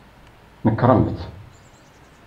Nekremt!